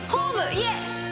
家